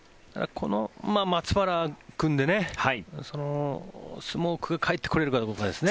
この松原君でスモークがかえってこれるかどうかですね。